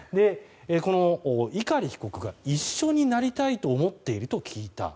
この碇被告が一緒になりたいと思っていると聞いた。